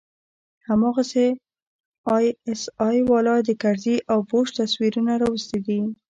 هماغسې آى اس آى والا د کرزي او بوش تصويرونه راوستي دي.